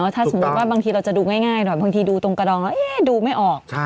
ถ้าสมมุติว่าบางทีเราจะดูง่ายหน่อยบางทีดูตรงกระดองแล้วดูไม่ออก